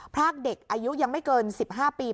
พรากเด็กอายุยังไม่เกิน๑๕ปี